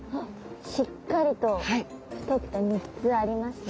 しっかりと太くて３つありますね。